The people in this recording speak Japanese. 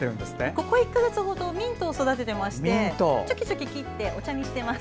ここ１か月ほどミントを育てていましてチョキチョキ切ってお茶にしています。